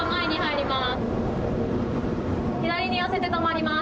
左に寄せて止まります